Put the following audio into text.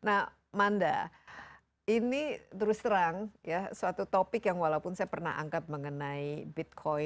nah manda ini terus terang ya suatu topik yang walaupun saya pernah angkat mengenai bitcoin